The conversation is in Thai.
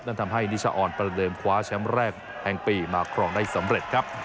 ทำให้นิชาออนประเดิมคว้าแชมป์แรกแห่งปีมาครองได้สำเร็จครับ